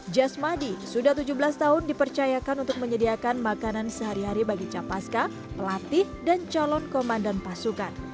jasmadi sudah tujuh belas tahun dipercayakan untuk menyediakan makanan sehari hari bagi capaska pelatih dan calon komandan pasukan